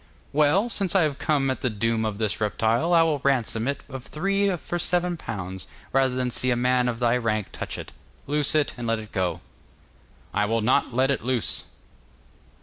'Well, since I have come at the doom of this reptile, I will ransom it of thee for seven pounds, rather than see a man of thy rank touch it. Loose it, and let it go.' 'I will not let it loose.